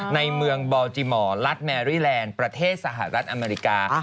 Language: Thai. ในเมืองบอลจิมอร์รัฐแมรี่แลนด์ประเทศสหรัฐอเมริกา